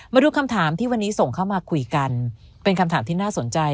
มาดูคำถามที่วันนี้ส่งเข้ามาคุยกันเป็นคำถามที่น่าสนใจ